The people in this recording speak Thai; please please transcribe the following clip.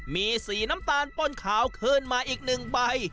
มีสีน้ำตาลป้นขาวขึ้นมาอีก๑ใบ